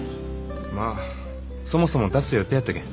まあそもそも出す予定やったけん。